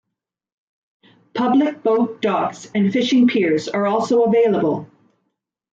Public boat docks and fishing piers are also available.